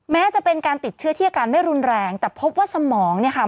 แม้จะเป็นการติดเชื้อที่อาการไม่รุนแรงแต่พบว่าสมองเนี่ยค่ะ